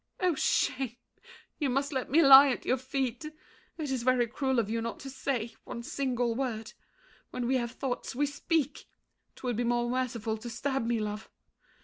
Oh, shame! You must let me lie at your feet. It's very cruel of you not to say One single word. When we have thoughts, we speak! 'Twould be more merciful to stab me, love!